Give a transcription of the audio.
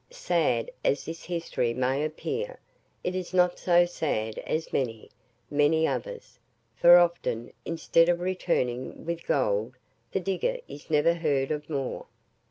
Sad as this history may appear, it is not so sad as many, many others; for often, instead of returning with gold, the digger is never heard of more.